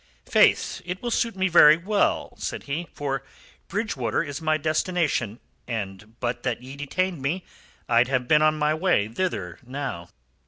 "Faith it will suit me very well," said he. "For Bridgewater is my destination, and but that ye detained me I'd have been on my way thither now."